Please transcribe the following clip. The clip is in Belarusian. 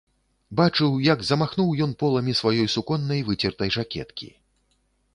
Бачыў, як замахнуў ён поламі сваёй суконнай выцертай жакеткі.